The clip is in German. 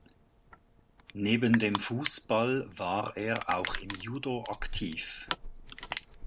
Neben dem Fußball war er auch im Judo aktiv.